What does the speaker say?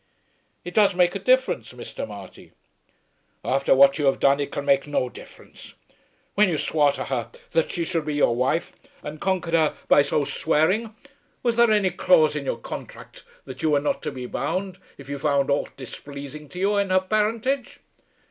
"It does make a difference, Mr. Marty." "Afther what you have done it can make no difference. When you swore to her that she should be your wife, and conquered her by so swearing, was there any clause in your contract that you were not to be bound if you found aught displaising to you in her parentage?"